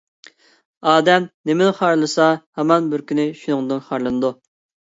ئادەم نېمىنى خارلىسا ھامان بىر كۈنى شۇنىڭدىن خارلىنىدۇ.